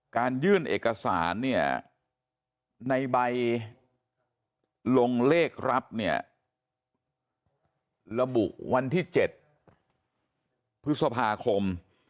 ยื่นเอกสารเนี่ยในใบลงเลขรับเนี่ยระบุวันที่๗พฤษภาคม